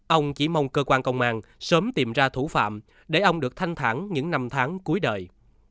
ông chỉ mong cơ quan công an sớm tìm ra thủ phạm để ông được thanh thản những năm tháng cuối đời